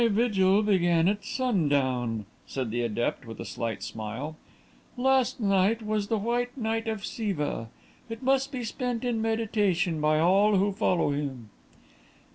"My vigil began at sundown," said the adept, with a slight smile. "Last night was the White Night of Siva. It must be spent in meditation by all who follow him."